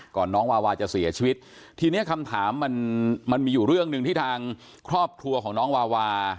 น้องวาวาจะเสียชีวิตทีนี้คำถามมันมันมีอยู่เรื่องหนึ่งที่ทางครอบครัวของน้องวาวา